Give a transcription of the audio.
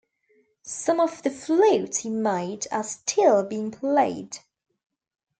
Some of the flutes he made are still being played.